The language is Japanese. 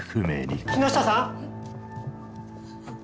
木下さん！